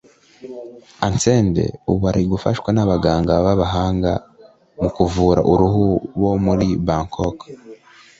Atsede ubu ari gufashwa n’abaganga b’abahanga mu kuvura uruhu bo muri Bangkok